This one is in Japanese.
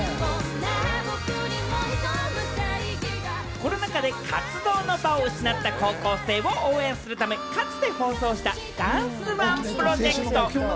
コロナ禍で活動の場を失った高校生を応援するため、かつて放送したダンスＯＮＥプロジェクト。